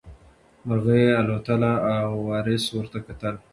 مرغۍ الوتله او وارث ورته کتل.